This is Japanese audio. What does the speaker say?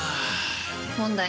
問題。